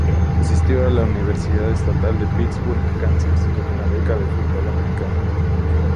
Asistió a la Universidad Estatal de Pittsburg, Kansas, con una beca de fútbol americano.